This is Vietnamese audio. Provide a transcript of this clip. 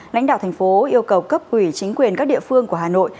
lãnh đạo thành phố yêu cầu cấp ủy chính quyền các địa phương của hà nội